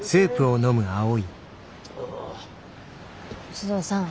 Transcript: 須藤さん。